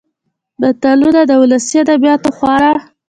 متلونه د ولسي ادبياتو خورا .